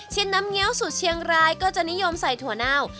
น้ำเงี้ยวสูตรเชียงรายก็จะนิยมใส่ถั่วเน่า